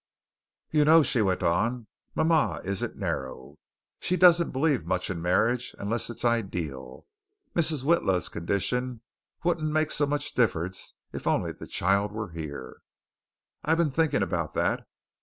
"You know," she went on, "mama isn't narrow. She doesn't believe much in marriage unless it's ideal. Mrs. Witla's condition wouldn't make so much difference if only the child were here. I've been thinking about that.